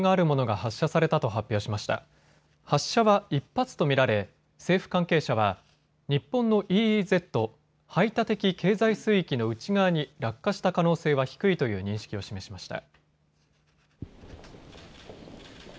発射は１発と見られ政府関係者は日本のＥＥＺ・排他的経済水域の内側に落下した可能性は低いという認識を示しました。